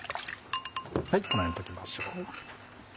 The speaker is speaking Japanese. このように溶きましょう。